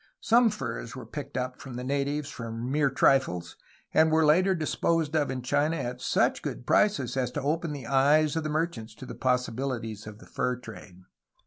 Some furs were picked up from the natives for mere trifles, and were later disposed of in China at such good prices as to open the eyes of merchants to the possibilities of the fur trade.